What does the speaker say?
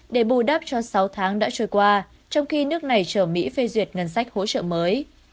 để bù đắp cho sáu tháng đã trôi qua trong khi nước này chờ mỹ phê duyệt ngân sách hỗ trợ mới